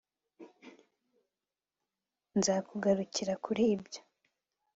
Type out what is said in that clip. nzakugarukira kuri ibyo